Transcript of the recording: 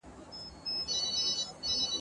څه خو راته وايي ګړوي چي نیمه ژبه ..